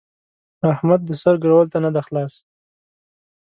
احمد د سر ګرولو ته نه دی خلاص.